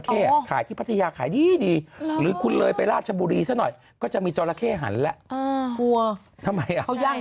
เคยไปถ่ายที่ฟาร์มที่เขาเลี้ยง